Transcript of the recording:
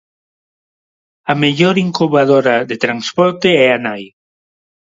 A mellor incubadora de transporte é a nai.